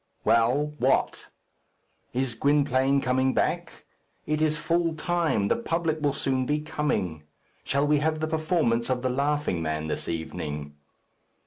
"Well! what?" "Is Gwynplaine coming back? It is full time. The public will soon be coming. Shall we have the performance of 'The Laughing Man' this evening?"